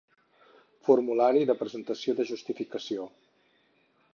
Formulari de presentació de justificació.